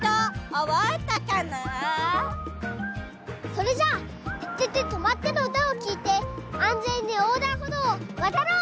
それじゃあ「ててて！とまって！」のうたをきいてあんぜんにおうだんほどうをわたろう！